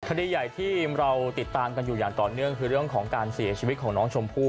คดีใหญ่ที่เราติดตามกันอยู่อย่างต่อเนื่องคือเรื่องของการเสียชีวิตของน้องชมพู่